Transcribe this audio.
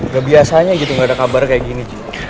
gak biasanya gitu gak ada kabar kayak gini